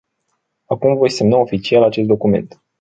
Acum voi semna oficial acest document.